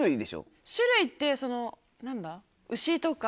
種類ってその何だ？